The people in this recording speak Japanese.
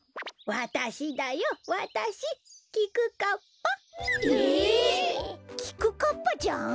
わたしだよわたしきくかっぱ。え？